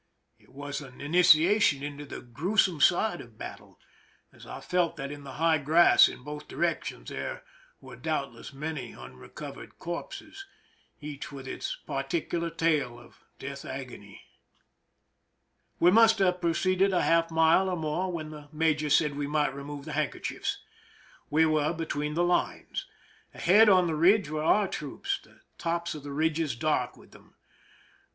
It was an initiation into the gruesome side of battle, as I felt that in the high grass in both directions there were doubtless many unrecovered corpses, each with its particular tale of death agony. We must have proceeded a half mile or more when the major said we might remove the hand kerchiefs. We were between the lines. Ahead on the ridge were our troops, the tops of the ridges dark with them.